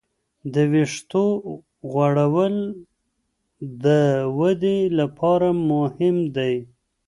د وېښتو غوړول د ودې لپاره مهم دی.